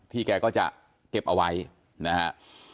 ที่แกก็จะเก็บเอาไว้นะครับ